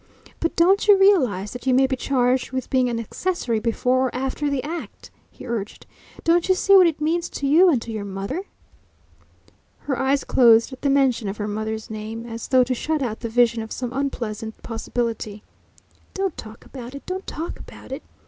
"But don't you realise that you may be charged with being an accessory before or after the act?" he urged. "Don't you see what it means to you and to your mother?" Her eyes closed at the mention of her mother's name, as though to shut out the vision of some unpleasant possibility. "Don't talk about it, don't talk about it!"